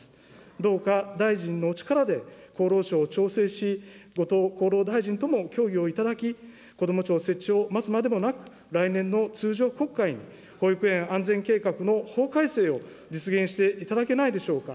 どうか大臣のお力で、厚労省を調整し、後藤厚労大臣とも協議をいただき、こども庁設置を待つまでもなく、来年の通常国会に、保育園安全計画の法改正を実現していただけないでしょうか。